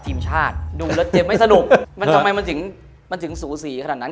ทีมชาติดูแล้วเจ็บไม่สนุกทำไมมันถึงสูสีขนาดนั้น